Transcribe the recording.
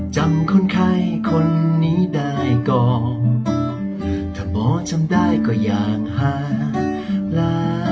จำคนไข้คนนี้ได้ก่อนถ้าหมอจำได้ก็อยากหาปลา